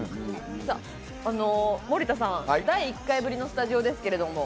森田さん、第１回ぶりのスタジオですが。